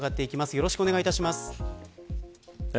よろしくお願いします。